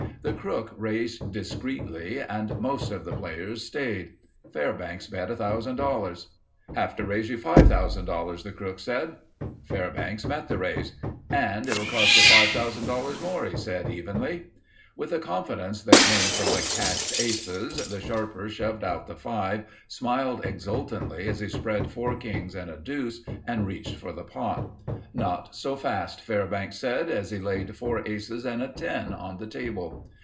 The crook raised discreetly and most of the players stayed. Fairbanks bet $1000. "Have to raise you $5000," the crook said. Fairbanks met the raise. "... and it'll cost you $5000 more," he said evenly. With the confidence that came from the cached aces, the sharper shoved out the five, smiled exultantly as he spread four kings and a deuce and reached for the pot. "Not so fast," Fairbanks said as he laid four aces and a ten on the table.